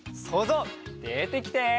そうぞうでてきて！